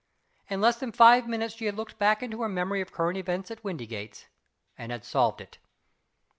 In less than five minutes she had looked back into her memory of current events at Windygates and had solved it.